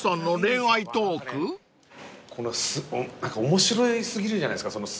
面白過ぎるじゃないですか。